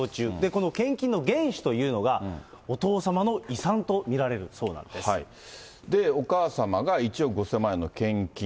この献金の原資というのが、お父様の遺産と見られるそうなんですで、お母様が１億５０００万円の献金。